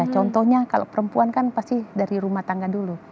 contohnya kalau perempuan kan pasti dari rumah tangga dulu